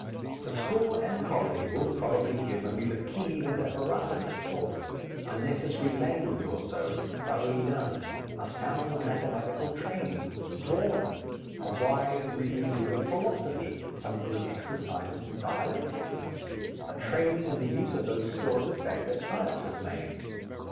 The school and college will probably give only the keys and apparatus of thought, a necessary language or so, thoroughly done, a sound mathematical training, drawing, a wide and reasoned view of philosophy, some good exercises in dialectics, a training in the use of those stores of fact that science has made.